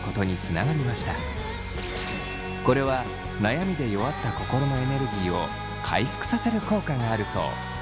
これは悩みで弱った心のエネルギーを回復させる効果があるそう。